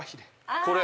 これ。